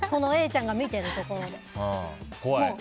Ａちゃんが見ているところに。